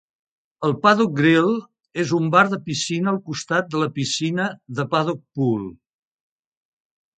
El The Paddock Grill és un bar de piscina al costat de la piscina The Paddock Pool.